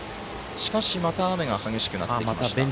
しかし、また雨が激しくなってきました。